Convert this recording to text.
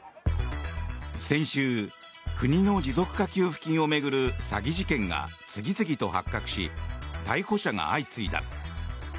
先週、国の持続化給付金を巡る詐欺事件が次々と発覚し逮捕者が相次いだ。